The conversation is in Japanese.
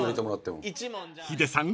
［ヒデさん